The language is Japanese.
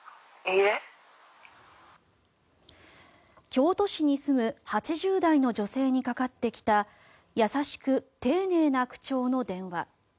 京都市に住む８０代の女性にかかってきた優しく丁寧な口調の電話。